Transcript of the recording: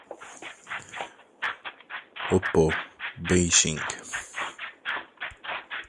oppo, beijing